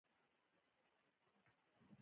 کچالو سره هګۍ ښه خوري